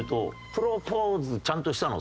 プロポーズちゃんとしたの？